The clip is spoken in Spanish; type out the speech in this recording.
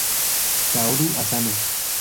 Kaoru Asano